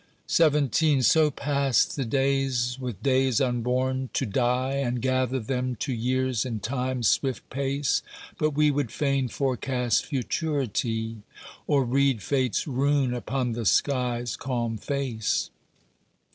XVII So pass the days, with days unborn, to die, And gather them to years in time's swift pace, But we would fain forecast futurity, Or read fate's rune upon the sky's calm face.